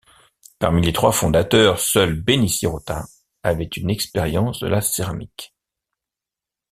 Parmi les trois fondateurs, seul Benny Sirota avait une expérience de la céramique.